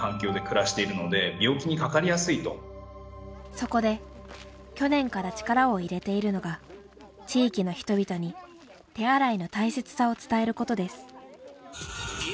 そこで去年から力を入れているのが地域の人々に手洗いの大切さを伝えることです。